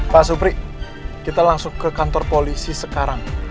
pak supri kita langsung ke kantor polisi sekarang